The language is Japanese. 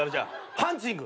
ハンチング！